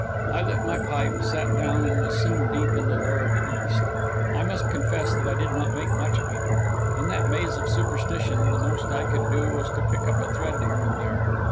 I lit my pipe, sat down, and was soon deep in the lore of the East. I must confess that I did not make much of it. In that maze of superstition, the most I could do was to pick up a thread here and there.